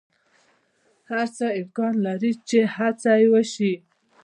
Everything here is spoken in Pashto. هر څه امکان لری چی هڅه یی وشی